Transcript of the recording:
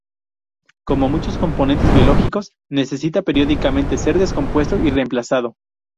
Como muchos componentes biológicos necesita periódicamente ser descompuesto y reemplazado.